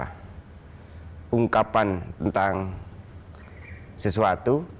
untuk mengungkapkan tentang sesuatu